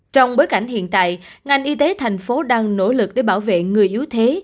trong bối cảnh hiện tại ngành y tế thành phố đang nỗ lực để bảo vệ người yếu thế